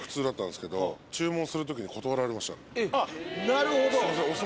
なるほど。